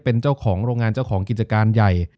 เป็นเจ้าของโรงงานเจ้าของกิจการใหญ่